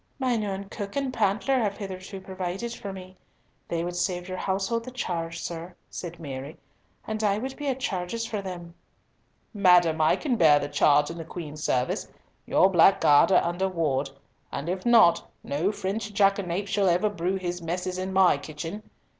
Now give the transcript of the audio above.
"Mine own cook and pantler have hitherto provided for me. They would save your household the charge, sir," said Mary, "and I would be at charges for them." "Madam, I can bear the charge in the Queen's service. Your black guard are under ward. And if not, no French jackanapes shall ever brew his messes in my kitchen!